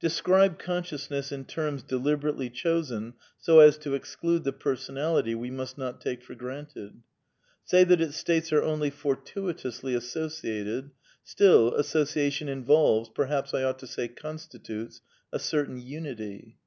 Describe consciousness in terms deliberately chosen so as to exclude the Personality we must not take for granted ; say that its states are only fortuitously associated; still, association involves, perhaps I ought to say constitutes, a certain unity.